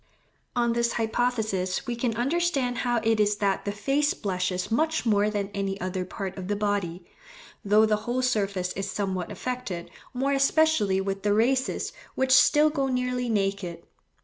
On this hypothesis we can understand how it is that the face blushes much more than any other part of the body, though the whole surface is somewhat affected, more especially with the races which still go nearly naked.